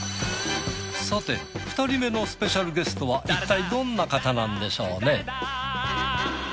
さて２人目のスペシャルゲストはいったいどんな方なんでしょうね。